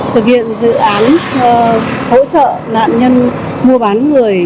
thực hiện dự án hỗ trợ nạn nhân mua bán người